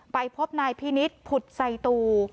ไปพบนายพินิษฐ์ผุดใส่ตู